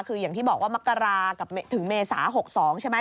คืออย่างที่บอกว่ามักกรากับถึงเมษา๖๒ใช่ไหม